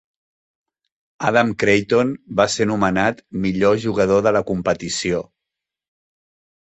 Adam Creighton va ser nomenat millor jugador de la competició.